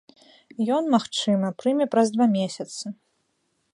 Ён, магчыма, прыме праз два месяцы.